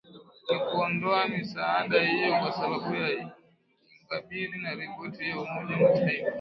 ni kuondoa misaada hiyo kwa sababu za ingabire na ripoti ya umoja mataifa